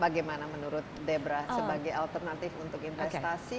bagaimana menurut debra sebagai alternatif untuk investasi